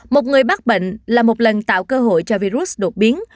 một người mắc bệnh là một lần tạo cơ hội cho virus đột biến